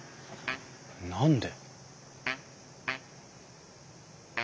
何で？